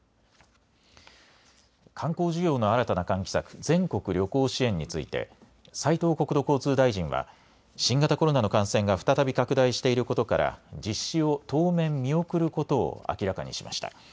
観光需要の新たな喚起策、全国旅行支援について斉藤国土交通大臣は新型コロナの感染が再び拡大していることから実施を当面、見送ることを明らかにしました。